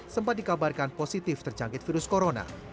sempat dikabarkan positif terjangkit virus corona